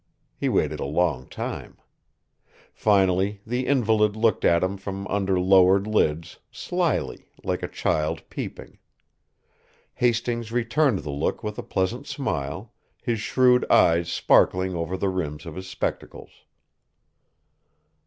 He waited a long time. Finally, the invalid looked at him from under lowered lids, slyly, like a child peeping. Hastings returned the look with a pleasant smile, his shrewd eyes sparkling over the rims of his spectacles.